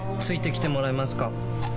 付いてきてもらえますか？